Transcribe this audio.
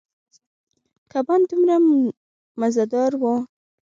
کبان دومره مزدار ووـ.